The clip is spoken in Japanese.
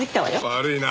悪いな。